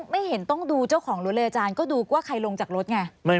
ไม่เห็นต้องดูเจ้าของรถเลยอาจารย์ก็ดูว่าใครลงจากรถไง